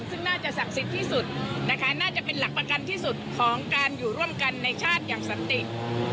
ตั้งแต่ต้นทางกันถึงปลายทางว่าประชาชนไม่ได้โง่